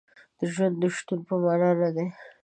د ژوند د شتون په معنا نه دی.